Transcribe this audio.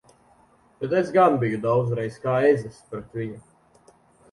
Bet es gan biju daudzreiz kā ezis pret viņu!